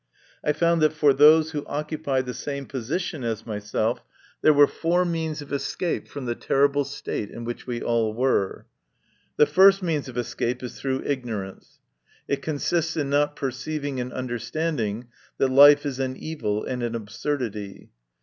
I found that for those who occupied the same position as myself there were four means of escape from the terrible state in which we all were. The first means of escape is through ignor ance. It consists in not perceiving and under standing that life is an evil and an absurdity.